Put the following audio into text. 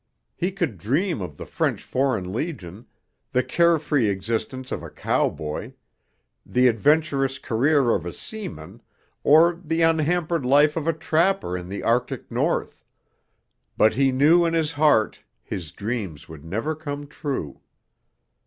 He could dream of the French Foreign Legion, the carefree existence of a cowboy, the adventurous career of a seaman or the unhampered life of a trapper in the arctic north, but he knew in his heart his dreams would never come true.